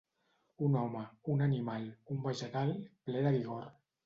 Un home, un animal, un vegetal, ple de vigor.